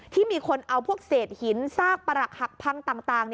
ที่มีคนเอาพวกเศษหินซากประหลักหักพังต่าง